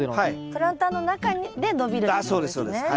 プランターの中で伸びるということですね。